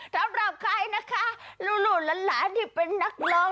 สำหรับใครนะคะหลุ่นหรั่นที่เป็นนักร่อง